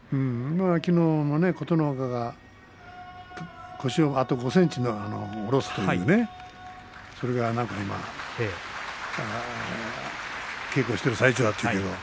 きのうの琴ノ若が腰をあと５ｃｍ下ろすというそれを今稽古している最中だという。